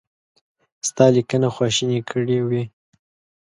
ستا لیکنه خواشینی کړی وي.